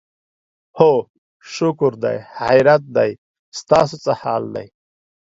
هو شکر دی، خیریت دی، ستاسو څه حال دی؟